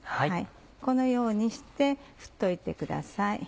このようにして振っといてください。